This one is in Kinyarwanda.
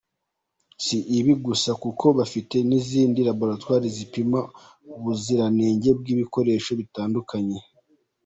Si ibi gusa kuko bafite n’izindi Laboratwari zipima ubuzirange bw’ibikoresho bitandukanye.